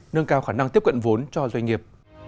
nâng cao khả năng tiếp cận vốn cho doanh nghiệp